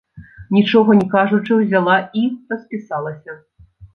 Нічога не кажучы, узяла і распісалася.